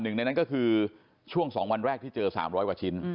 หนึ่งในนั้นก็คือช่วง๒วันแรกที่เจอ๓๐๐กว่าชิ้น